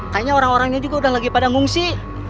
kayaknya orang orangnya juga udah lagi pada ngungsi